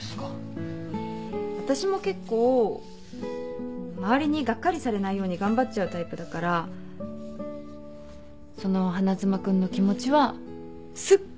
私も結構周りにがっかりされないように頑張っちゃうタイプだからその花妻君の気持ちはすっごい分かる。